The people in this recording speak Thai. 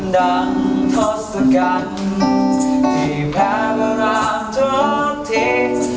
ดังทศกัณฐ์ที่แพ้เวลาทุกที